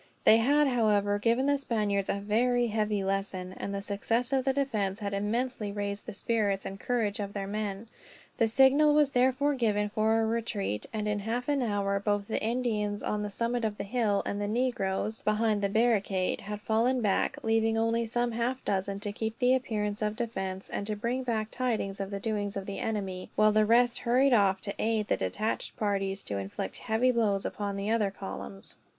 They had, however, given the Spaniards a very heavy lesson; and the success of the defense had immensely raised the spirit and courage of their men. The signal was therefore given for a retreat; and in half an hour both the Indians, on the summit of the hill, and the negroes, behind the barricade, had fallen back; leaving only some half dozen to keep up the appearance of defense, and to bring back tidings of the doings of the enemy; while the rest hurried off, to aid the detached parties to inflict heavy blows upon the other columns.